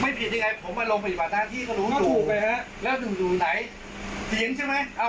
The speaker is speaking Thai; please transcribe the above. ไม่ผิดยังไงผมมาลงไปกว่าทางที่เขารู้สูงแล้วหนูอยู่ไหนสิงหรือไม่เอ้าเอ้า